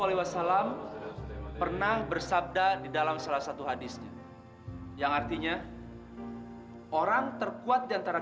alaihi wasallam pernah bersabda di dalam salah satu haditsnya yang artinya orang terkuat diantara